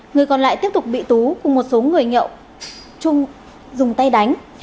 người còn lại tiếp tục bị tú cùng một số người nhậu dùng tay đánh